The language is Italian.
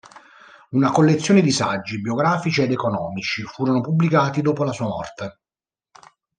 Una collezione di saggi, biografici ed economici, furono pubblicati dopo la sua morte.